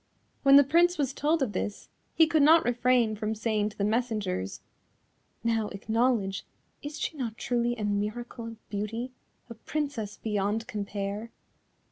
When the Prince was told of this, he could not refrain from saying to the messengers: "Now acknowledge, is she not truly a miracle of beauty, a Princess beyond compare?"